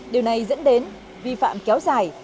điều này dẫn đến vi phạm kéo dài